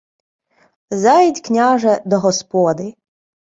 — Зайдь, княже, до господи.